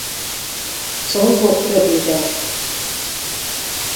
Combok rövidek.